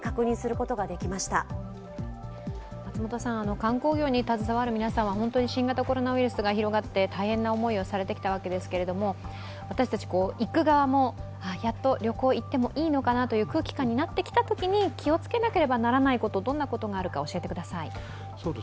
観光業に携わる皆さんは新型コロナウイルスが広がって大変な思いをされてきたわけですけれども、私たち、行く側も、やっと旅行、行ってもいいのかなという空気感になってきたときに気を付けなければならないこと、どんなことがあるか教えてください。